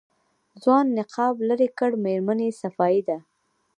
ځوان نقاب لېرې کړ مېرمنې صفايي ده.